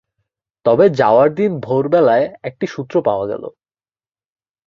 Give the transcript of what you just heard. তবে যাবার দিন ভোরবেলায় একটি সূত্র পাওয়া গেল।